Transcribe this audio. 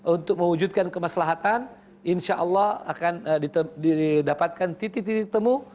untuk mewujudkan kemaslahatan insya allah akan didapatkan titik titik temu